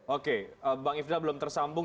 oke bang ifdal belum tersambung